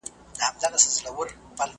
ـ هو